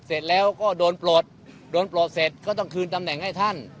เสร็จแล้วก็โดนปลดโดนปลดเสร็จก็ต้องคืนตำแหน่งให้ท่าน